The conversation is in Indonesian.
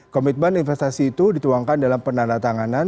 komitmen investasi itu dituangkan dalam penanda tanganan